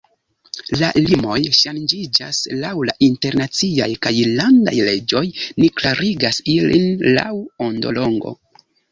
La limoj ŝanĝiĝas laŭ la internaciaj kaj landaj leĝoj, ni klarigas ilin laŭ ondolongo.